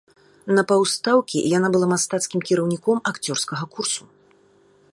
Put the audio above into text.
На паўстаўкі яна была мастацкім кіраўніком акцёрскага курсу.